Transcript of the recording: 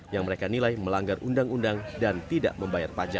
yang mereka nilai melanggar undang undang dan tidak membayar pajak